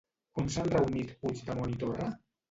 On s'han reunit Puigdemont i Torra?